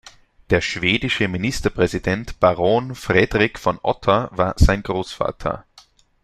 Der schwedische Ministerpräsident Baron Fredrik von Otter war sein Großvater.